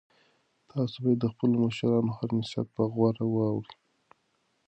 تاسو باید د خپلو مشرانو هر نصیحت په غور واورئ.